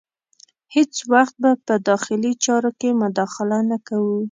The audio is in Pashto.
هیڅ وخت به په داخلي چارو کې مداخله نه کوو.